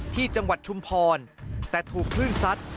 ที่จังหวัดชุมพรแต่ถูกคลื่นซัด